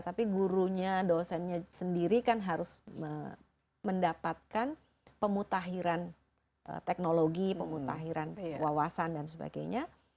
tapi gurunya dosennya sendiri kan harus mendapatkan pemutahiran teknologi pemutahiran wawasan dan sebagainya